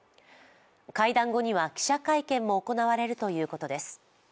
会談後には記者会見も行われるということです。